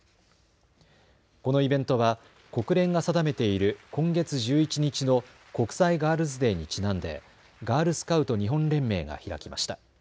このイベントは国連が定めている今月１１日の国際ガールズ・デーにちなんでガールスカウト日本連盟が開きました。